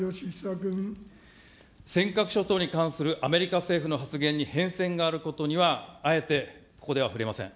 尖閣諸島に関するアメリカ政府の発言に変遷があることには、あえてここでは触れません。